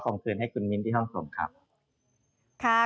ขอส่งคืนให้คุณมิ้นท์ที่ห้องสมครับ